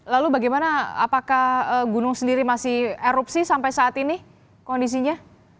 lalu bagaimana apakah gunung sendiri masih erupsi sampai saat ini kondisinya